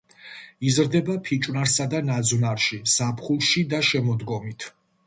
იზრდება ფიჭვნარსა და ნაძვნარში ზაფხულში და შემოდგომით.